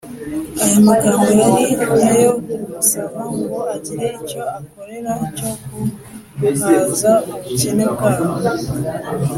” Aya magambo yari ayo kumusaba ngo agire icyo abakorera cyo guhaza ubukene bwabo